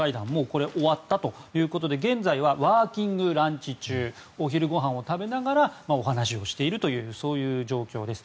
これはもう終わったということで現在はワーキングランチ中お昼ごはんを食べながらお話をしているという状況です。